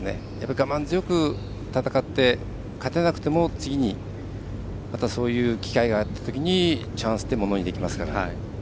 我慢強く戦って、勝てなくても次にまたそういう機会があったときにチャンスはものにできますから。